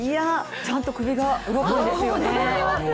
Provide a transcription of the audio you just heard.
ちゃんと首が動くんですよね。